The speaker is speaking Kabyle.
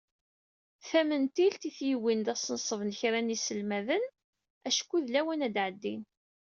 Tamentilt i t-yuwin d asenṣeb n kra n yiselmaden, acku d lawan ad ɛeddin.